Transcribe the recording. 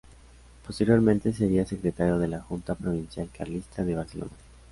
Posteriormente sería secretario de la Junta Provincial Carlista de Barcelona.